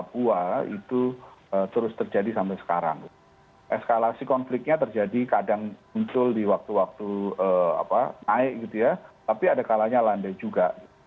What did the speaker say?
papua itu terus terjadi sampai sekarang eskalasi konfliknya terjadi kadang muncul di waktu waktu naik gitu ya tapi ada kalanya landai juga